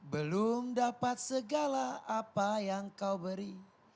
belum dapat segala apa yang kau beri